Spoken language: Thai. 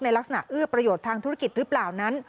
ลักษณะเอื้อประโยชน์ทางธุรกิจหรือเปล่านั้น